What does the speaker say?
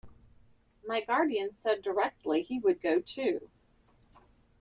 My guardian said directly he would go too.